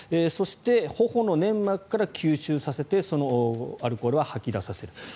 そして、頬の粘膜から吸収させてそのアルコールを吐き出させる。